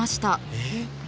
えっ？